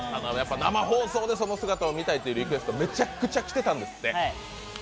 生放送でその姿を見たいっていうリクエスト、めちゃくちゃきてたんです。